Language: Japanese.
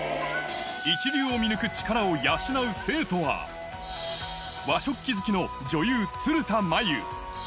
一流を見抜く力を養う生徒は、和食器好きの女優、鶴田真由。